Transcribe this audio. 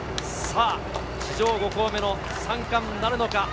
史上５校目の３冠なるのか。